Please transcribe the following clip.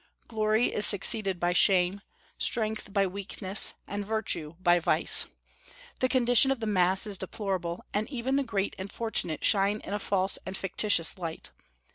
Glory is succeeded by shame, strength by weakness, and virtue by vice. The condition of the mass is deplorable, and even the great and fortunate shine in a false and fictitious light.